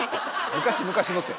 「昔々の」て。